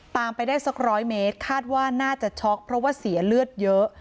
ตามไปได้สักร้อยเมตรคาดว่าน่าจะช็อกเพราะว่าเสียเลือดเยอะ